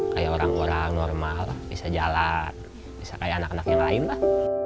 kayak orang orang normal bisa jalan bisa kayak anak anak yang lain lah